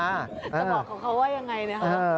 จะบอกของเขายังไงนะครับ